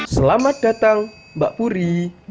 selamat datang mbak puri